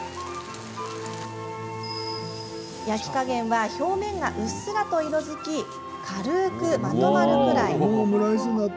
焼き加減は表面がうっすらと色づき軽くまとまるくらい。